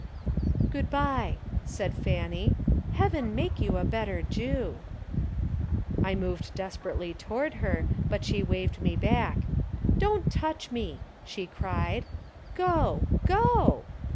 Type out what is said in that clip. "Good bye," said Fanny. "Heaven make you a better Jew." I moved desperately towards her, but she waved me back. "Don't touch me," she cried. "Go, go!"